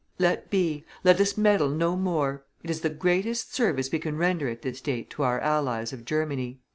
Let be, let us meddle no more; it is the greatest service we can render at this date to our allies of Germany."